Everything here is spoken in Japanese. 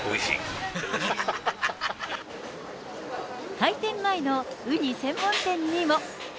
開店前のウニ専門店にも。